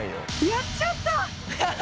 やっちゃった。